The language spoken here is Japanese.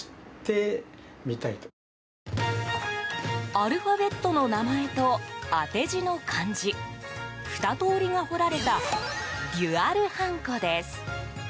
アルファベットの名前と当て字の漢字、２通りが彫られたデュアルハンコです。